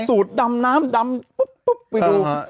สูดดำน้ำดำปุ๊บไปดู